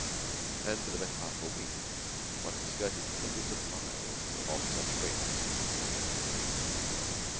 And for the better part of a week one had skirted hundreds of miles of such a frieze!